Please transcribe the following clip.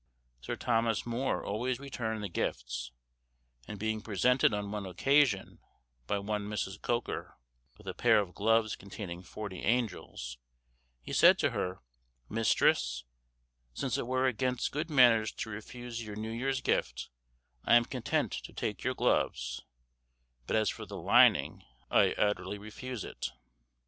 Sir Thomas More always returned the gifts, and being presented on one occasion, by one Mrs. Goaker, with a pair of gloves containing forty angels, he said to her, "Mistresse, since it were against good manners to refuse your New year's gift, I am content to take your gloves, but as for the lining I utterly refuse it."